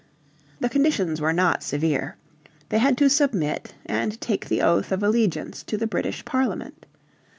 The conditions were not severe. They had to submit, and take the oath of allegiance to the British Parliament.